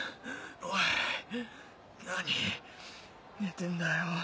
おい何寝てんだよ。